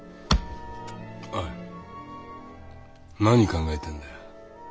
おい何考えてんだよ？